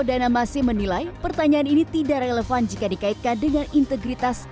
karena masih menilai pertanyaan ini tidak relevan jika dikaitkan dengan integritas